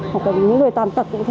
hoặc là những người tàn tật cũng thế